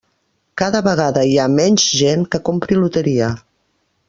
Cada vegada hi ha menys gent que compri loteria.